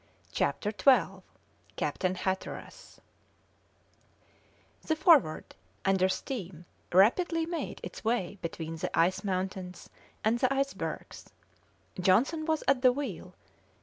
CHAPTER XII CAPTAIN HATTERAS The Forward, under steam, rapidly made its way between the ice mountains and the icebergs. Johnson was at the wheel.